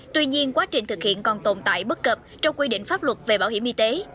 tuy nhiên quá trình thực hiện còn tồn tại bất cập trong quy định pháp luật về bảo hiểm y tế